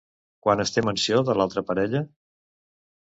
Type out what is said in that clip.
Quan es té menció de l'altra parella?